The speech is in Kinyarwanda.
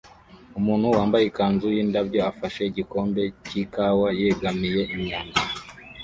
umuntu wambaye ikanzu yindabyo afashe igikombe cyikawa yegamiye imyanda